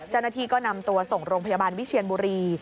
เจ้าหน้าที่ก็นำตัวส่งโรงพยาบาลวิเชียนบุรี